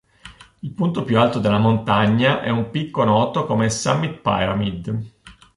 Il punto più alto della montagna è un picco noto come Summit Pyramid.